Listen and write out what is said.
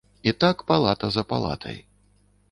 І так палата за палатай.